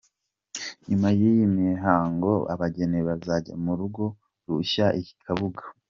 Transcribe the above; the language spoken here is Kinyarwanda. Nyuma y’iyi mihango abageni bazajya mu rugo rushya i Kabuga.